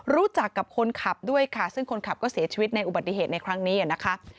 รู้จักกับคนขับด้วยค่ะซึ่งคนขับก็เสียชีวิตในอุบัติเหตุในครั้งนี้นะคะ